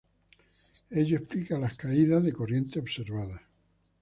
Ello explica las caídas de corriente observadas.